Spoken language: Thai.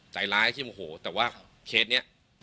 ใจร้ายที่โมโหแต่ว่าเคสนี้